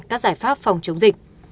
các giải pháp phòng chống dịch